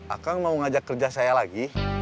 akang mau ngajak kerja saya lagi